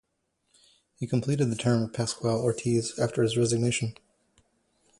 He completed the term of Pascual Ortiz after his resignation.